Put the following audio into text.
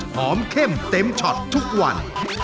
เข้มเต็มช็อตทุกวัน